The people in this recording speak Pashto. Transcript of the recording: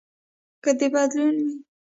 که د بدلو وي.